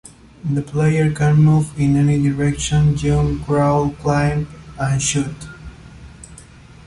The player can move in any direction, jump, crawl, climb, and shoot.